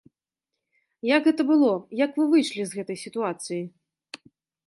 Як гэта было, як вы выйшлі з гэтай сітуацыі?